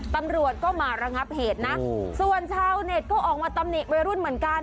ตำรวจก็มาระงับเหตุนะส่วนชาวเน็ตก็ออกมาตำหนิวัยรุ่นเหมือนกัน